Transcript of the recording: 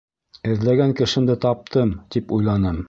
Эҙләгән кешемде таптым, тип уйланым!